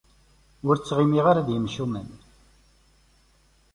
Ur ttɣimiɣ ara d yimcumen.